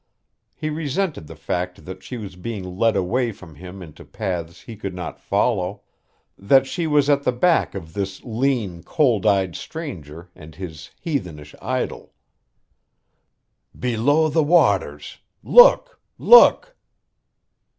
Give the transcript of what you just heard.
He resented the fact that she was being led away from him into paths he could not follow that she was at the beck of this lean, cold eyed stranger and his heathenish idol. "Below the waters. Look! Look!"